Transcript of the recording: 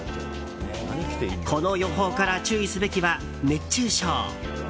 この予報から注意すべきは熱中症。